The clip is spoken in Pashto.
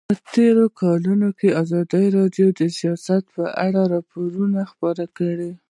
په تېرو کلونو کې ازادي راډیو د سیاست په اړه راپورونه خپاره کړي دي.